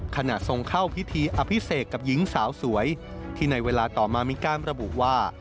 ขณะทรงเข้าพิธีอภิเษกกับหญิงสาวสวยที่ในเวลาต่อมามีการระบุว่า